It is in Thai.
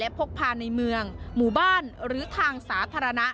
พกพาในเมืองหมู่บ้านหรือทางสาธารณะ